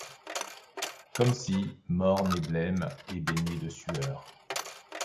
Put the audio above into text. Comme si, morne et blême et baigné de sueur